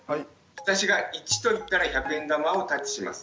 私が１と言ったら１００円玉をタッチします。